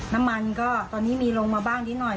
น้ำมันก็ตอนนี้มีลงมาบ้างนิดหน่อย